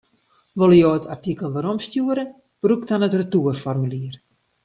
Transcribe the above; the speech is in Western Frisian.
Wolle jo it artikel weromstjoere, brûk dan it retoerformulier.